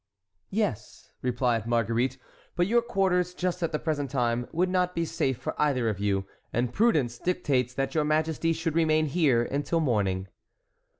"Yes," replied Marguerite, "but your quarters just at the present time would not be safe for either of you, and prudence dictates that your majesty should remain here until morning."